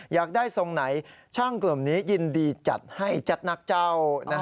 อยากได้ทรงไหนช่างกลุ่มนี้ยินดีจัดให้จัดนักเจ้า